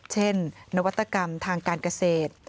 เช่นนวัตกรรมทางการเกษตร